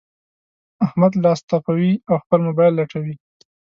احمد لاس تپوي؛ او خپل مبايل لټوي.